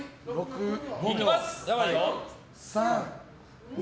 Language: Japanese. いきます。